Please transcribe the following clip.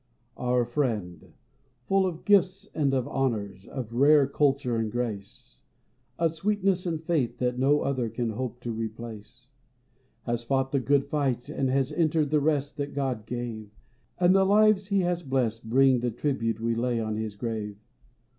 Our friend — full of gifts and of honors, Of rare culture and grace. Of sweetness and faith that no other Can hope to replace — Has fought the good fight, and has entered The rest that God gave ; And the lives he has blessed bring the tribute We lay on his grave.